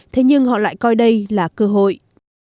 thế nhưng họ lại coi đây là cơ hội